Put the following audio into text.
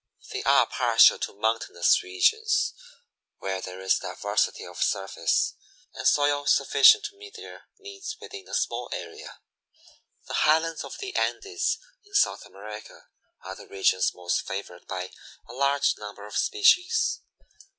They are partial to mountainous regions, where there is diversity of surface and soil sufficient to meet their needs within a small area. The highlands of the Andes in South America are the regions most favored by a large number of species.